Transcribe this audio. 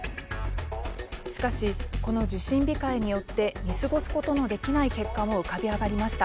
しかし、この受診控えによって見過ごすことのできない結果も浮かび上がりました。